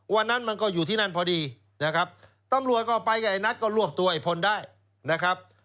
วันนั้นมันก็อยู่ที่นั่นพอดีนะครับตำรวจก็ไปกับไอ้นัทก็รวบตัวไอ้พลได้นะครับ